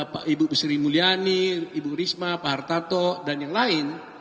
pak ibu sri mulyani ibu risma pak hartarto dan yang lain